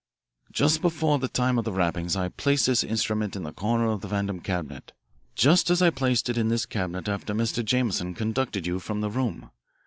"Just before the time of the rapping I placed this instrument in the corner of the Vandam cabinet, just as I placed it in this cabinet after Mr. Jameson conducted you from the room.